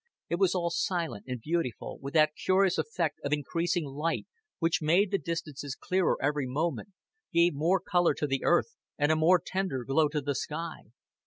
It was all silent and beautiful, with that curious effect of increasing light which made the distances clearer every moment, gave more color to the earth and a more tender glow to the sky.